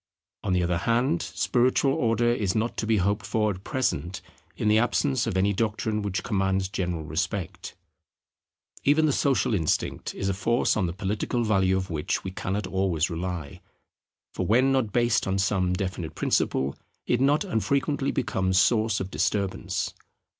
On the other hand, spiritual order is not to be hoped for at present in the absence of any doctrine which commands general respect. Even the social instinct is a force on the political value of which we cannot always rely: for when not based on some definite principle, it not unfrequently becomes source of disturbance.